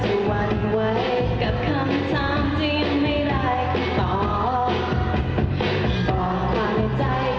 รู้ว่าจะคิดจะแปลงกันถ้าอยากเห็นน้ำตาของฉันใช่ไหม